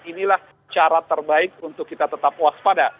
inilah cara terbaik untuk kita tetap waspada